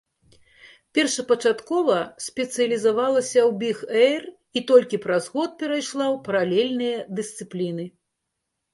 Першапачаткова спецыялізавалася ў біг-эйр і толькі праз год перайшла ў паралельныя дысцыпліны.